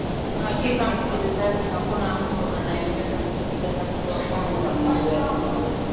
hakika msikilizaji hakuna mtu anayependa kupiga hatua kumi za maendeleo